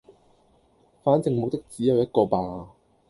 反正目的只有一個吧